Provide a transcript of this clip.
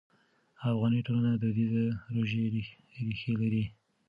افغاني ټولنه دودیزې ژورې ریښې لري.